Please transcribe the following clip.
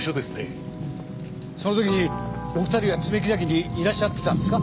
その時にお二人は爪木崎にいらっしゃってたんですか？